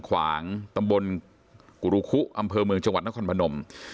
ขวางตำบลกุรุคุอำเภอเมืองจังหวัดนครพนม